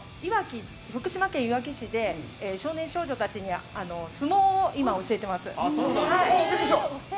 福島県いわき市で少年少女たちに相撲を今、教えています。